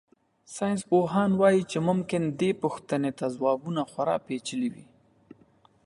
ساینسپوهان وایي چې ممکن دې پوښتنې ته ځوابونه خورا پېچلي وي.